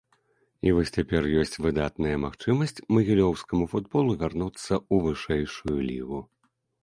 І вось цяпер ёсць выдатная магчымасць магілёўскаму футболу вярнуцца ў вышэйшую лігу.